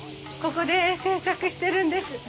ここで制作してるんです。